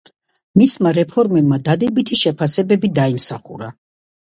მისმა რეფორმებმა დადებითი შეფასებები დაიმსახურა.